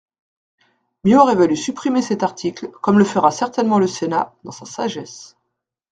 Mieux aurait valu supprimer cet article, comme le fera certainement le Sénat, dans sa sagesse.